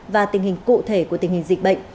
và tình hình cụ thể của tình hình dịch